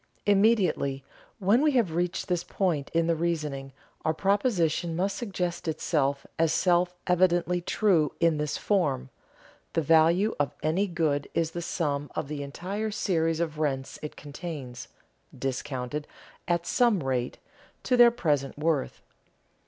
Immediately, when we have reached this point in the reasoning, our proposition must suggest itself as self evidently true in this form: the value of any good is the sum of the entire series of rents it contains, discounted, at some rate, to their present worth.